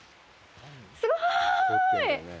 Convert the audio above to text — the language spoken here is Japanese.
すごーい！